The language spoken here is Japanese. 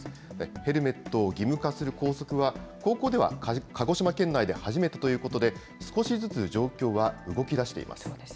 ヘルメットを義務化する校則は、高校では鹿児島県内で初めてということで、少しずつ状況は動きだしています。